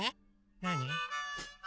なに？